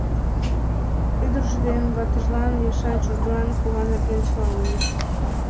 Ӱдыржӧ ден ватыжлан Яшай Чужган кува нерген чыла ойлыш.